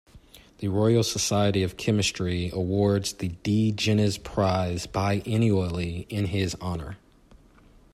The Royal Society of Chemistry awards the De Gennes Prize biennially, in his honour.